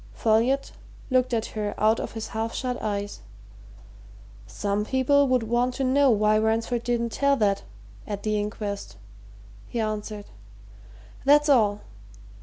Folliot looked at her out of his half shut eyes. "Some people would want to know why Ransford didn't tell that at the inquest," he answered. "That's all.